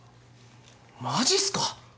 マジっすか？